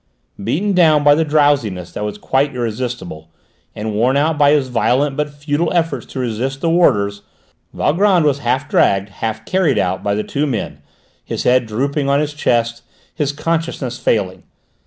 Beaten down by the drowsiness that was quite irresistible, and worn out by his violent but futile efforts to resist the warders, Valgrand was half dragged, half carried out by the two men, his head drooping on his chest, his consciousness failing.